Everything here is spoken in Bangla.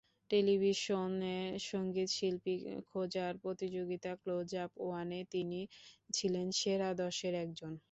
টেলিভিশনে সংগীতশিল্পী খোঁজার প্রতিযোগিতা ক্লোজআপ ওয়ানে তিনি ছিলেন সেরা দশের একজন।